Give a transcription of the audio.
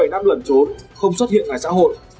một mươi bảy năm lẩn trốn không xuất hiện ngày xã hội